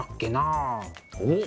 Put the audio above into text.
おっ！